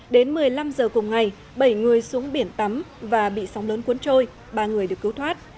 đến một mươi năm giờ cùng ngày bảy người xuống biển tắm và bị sóng lớn cuốn trôi ba người được cứu thoát